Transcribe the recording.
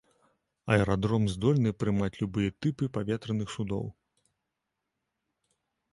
Аэрадром здольны прымаць любыя тыпы паветраных судоў.